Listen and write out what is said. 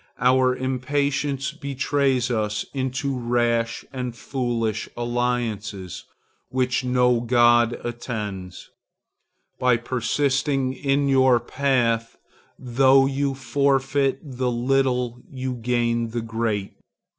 Our impatience betrays us into rash and foolish alliances which no god attends. By persisting in your path, though you forfeit the little you gain the great.